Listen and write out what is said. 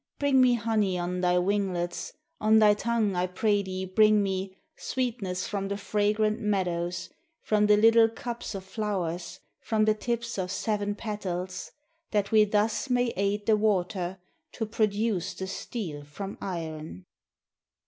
Bring me honey on thy winglets. On thy tongue, I pray thee, bring me Sweetness from the fragrant meadows. From the little cups of flowers. From the tips of seven petals, That we thus may aid the water To produce the steel from iron."